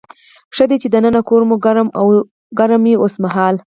ښه ده چې دننه کور مو ګرم وي اوسمهال.